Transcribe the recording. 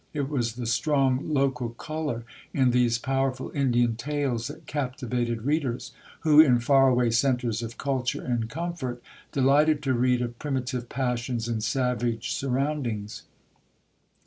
It was the strong "local colour" in these powerful Indian tales that captivated readers who, in far away centres of culture and comfort, delighted to read of primitive passions in savage surroundings.